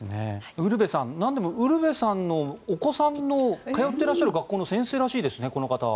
ウルヴェさん、なんでもウルヴェさんのお子さんの通っていらっしゃる学校の先生らしいですね、この方は。